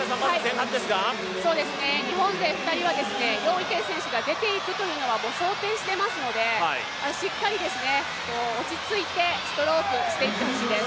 日本勢２人は余依テイ選手が出ていくというのは想定していますので、しっかり落ち着いてストロークしていってほしいです。